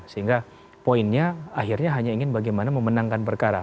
sehingga poinnya akhirnya hanya ingin bagaimana memenangkan perkara